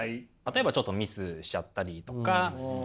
例えばちょっとミスしちゃったりとか。